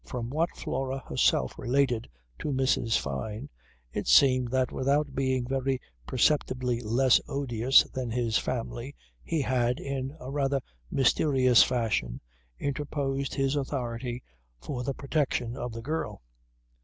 From what Flora herself related to Mrs. Fyne, it seems that without being very perceptibly less "odious" than his family he had in a rather mysterious fashion interposed his authority for the protection of the girl.